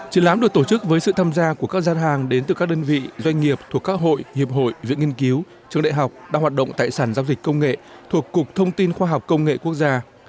triển lãm được tổ chức với sự tham gia của các gian hàng đến từ các đơn vị doanh nghiệp thuộc các hội hiệp hội viện nghiên cứu trường đại học đang hoạt động tại sản giao dịch công nghệ thuộc cục thông tin khoa học công nghệ quốc gia